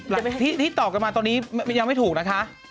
ที่ตอบกันมาตอนนี้ยังไม่ถูกนะคะ